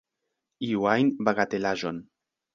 Iu ajn bagatelaĵon.